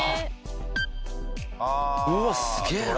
うわっすげえな。